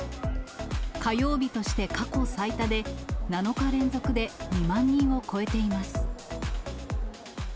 火曜日として過去最多で、７日連続で２万人を超えています。